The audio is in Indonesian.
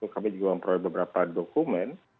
kami juga memperoleh beberapa dokumen